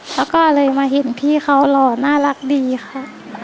แล้วก็เลยมาเห็นพี่เขาหล่อน่ารักดีค่ะ